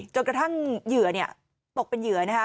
จนกระทั่งเหยื่อตกเป็นเหยื่อนะคะ